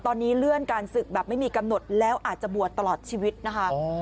ตอนนี้เลื่อนการศึกแบบไม่มีกำหนดแล้วอาจจะบวชตลอดชีวิตนะคะ